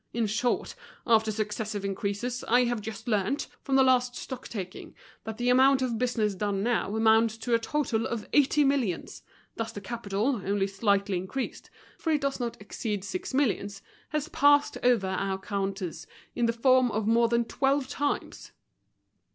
In short, after successive increases, I have just learnt, from the last stock taking, that the amount of business done now amounts to a total of eighty millions; thus the capital, only slightly increased—for it does not exceed six millions—has passed over our counters in the form of more than twelve times."